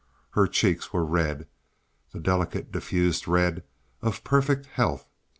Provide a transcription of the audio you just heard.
Her cheeks were red the delicate diffused red of perfect health.